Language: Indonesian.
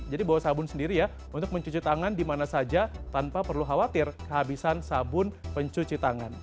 jadi bawa sabun sendiri ya untuk mencuci tangan dimana saja tanpa perlu khawatir kehabisan sabun pencuci tangan